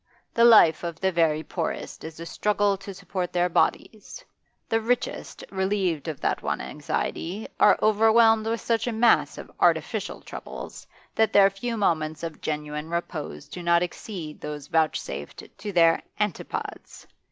The life of the very poorest is a struggle to support their bodies; the richest, relieved of that one anxiety, are overwhelmed with such a mass of artificial troubles that their few moments of genuine repose do not exceed those vouchsafed to their antipodes.